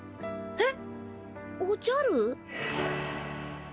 えっ！？